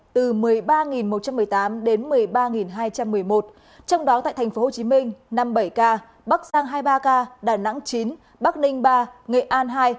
từ một mươi ba một trăm một mươi tám đến một mươi ba hai trăm một mươi một trong đó tại tp hcm năm mươi bảy ca bắc giang hai mươi ba ca đà nẵng chín bắc ninh ba nghệ an hai